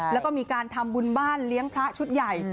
แล้วก็มีการทำบุญบ้านเลี้ยงพระชุดใหญ่